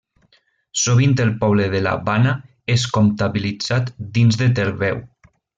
Sovint el poble de la Bana és comptabilitzat dins de Terveu.